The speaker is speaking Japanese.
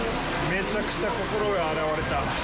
めちゃくちゃ心が洗われた。